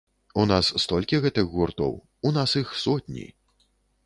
У нас столькі гэтых гуртоў, у нас іх сотні.